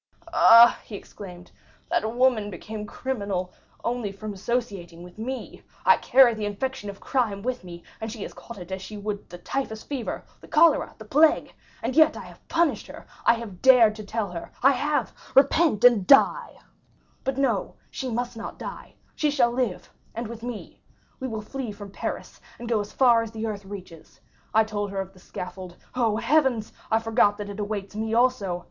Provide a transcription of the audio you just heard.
"Ah," he exclaimed, "that woman became criminal only from associating with me! I carried the infection of crime with me, and she has caught it as she would the typhus fever, the cholera, the plague! And yet I have punished her—I have dared to tell her—I have—'Repent and die!' But no, she must not die; she shall live, and with me. We will flee from Paris and go as far as the earth reaches. I told her of the scaffold; oh, Heavens, I forgot that it awaits me also!